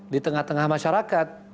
di tengah tengah masyarakat